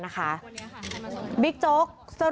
เมื่อวานแบงค์อยู่ไหนเมื่อวาน